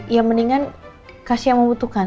ya mendingan kasih yang membutuhkan